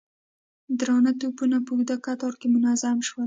درانه توپونه په اوږده کتار کې منظم شول.